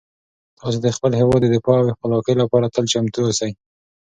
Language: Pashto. تاسو د خپل هیواد د دفاع او خپلواکۍ لپاره تل چمتو اوسئ.